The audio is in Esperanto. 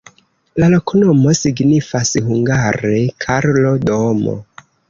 La loknomo signifas hungare: Karlo-domo.